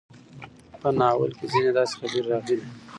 په ناول کې ځينې داسې خبرې راغلې